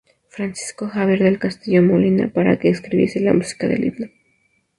Francisco Javier del Castillo Molina, para que escribiese la música del himno.